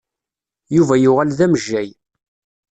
Yuba yuɣal d amejjay.